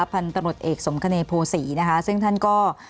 พันธุ์ตระหนดเอกสมคเนพสีนะคะซึ่งท่านก็